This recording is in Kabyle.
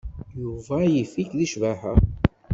Yuba yif-ik deg ccbaḥa.